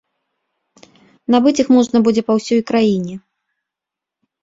Набыць іх можна будзе па ўсёй краіне.